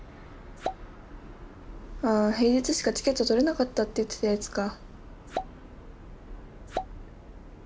あ平日しかチケット取れなかったって言ってたやつか。